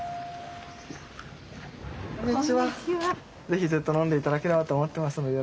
ぜひずっと飲んでいただければと思ってますので。